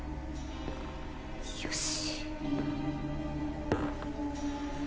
よし。